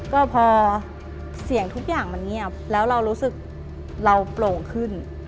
ก็พอเสียงทุกอย่างมันเงียบแล้วเรารู้สึกเราโปร่งขึ้น